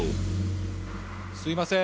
すいません。